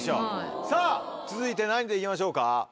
さぁ続いて何でいきましょうか？